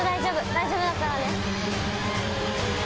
大丈夫だからね。